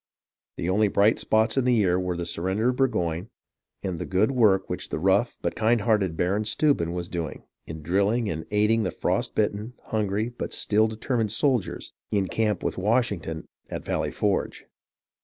The only bright spots in the year were the surrender of Burgoyne, and the good work which the rough but kind hearted Baron Steuben was doing, in drilling and aiding the frost bitten, hungry, but still determined soldiers in the camp with Washington at Valley Forge.